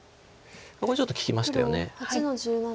これちょっと利きましたよね。